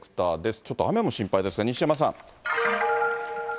ちょっと雨も心配ですが、西山さ